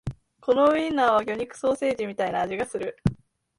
このウインナーは魚肉ソーセージみたいな味がする